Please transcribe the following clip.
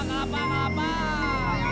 kelapa kelapa kelapa